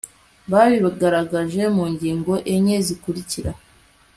babigaragaje mu ngingo enye zikurikira